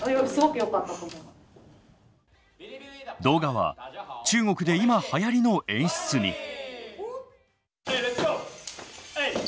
動画は中国で今はやりの演出に。